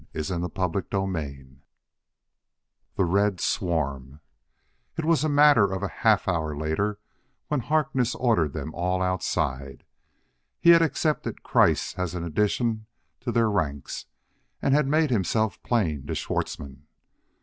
CHAPTER VII The Red Swarm It was a matter of a half hour later when Harkness ordered them all outside. He had accepted Kreiss as an addition to their ranks and had made himself plain to Schwartzmann.